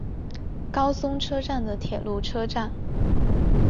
高松车站的铁路车站。